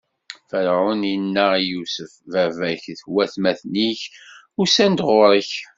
Ferɛun inna i Yusef: Baba-k d watmaten-ik usan-d ɣur-k.